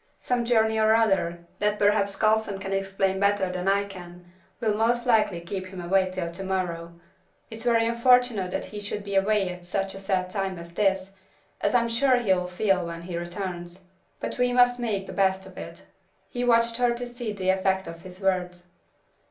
Some journey or other, that perhaps Coulson can explain better than I can, will most likely keep him away till to morrow. It's very unfortunate that he should be away at such a sad time as this, as I'm sure he'll feel when he returns; but we must make the best of it.' He watched her to see the effect of his words.